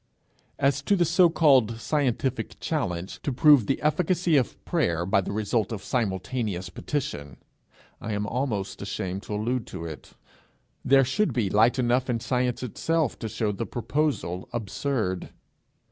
As to the so called scientific challenge to prove the efficacy of prayer by the result of simultaneous petition, I am almost ashamed to allude to it. There should be light enough in science itself to show the proposal absurd.